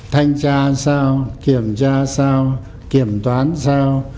thanh tra sao kiểm tra sao kiểm toán sao